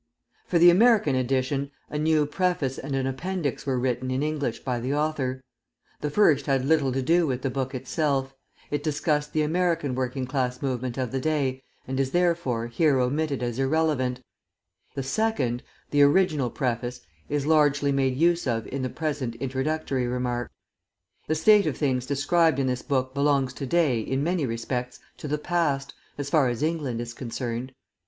For the American edition, a new Preface and an Appendix were written in English by the author. The first had little to do with the book itself; it discussed the American Working Class Movement of the day, and is, therefore, here omitted as irrelevant, the second the original preface is largely made use of in the present introductory remarks. The state of things described in this book belongs to day, in many respects, to the past, as far as England is concerned.